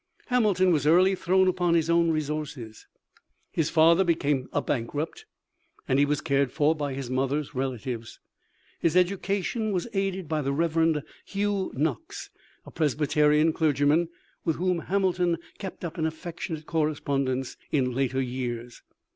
Hamilton was early thrown upon his own resources. His father became a bankrupt, and he was cared for by his mother's relatives. His education was aided by the Rev. Hugh Knox, a Presbyterian clergyman, with whom Hamilton kept up an affectionate correspondence in later years.